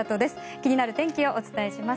気になる天気をお伝えします。